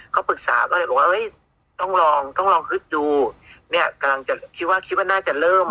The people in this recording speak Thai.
เขาปรึกษาก็เลยบอกว่าเฮ้ยต้องลองต้องลองฮึดดูเนี่ยกำลังจะคิดว่าคิดว่าน่าจะเริ่ม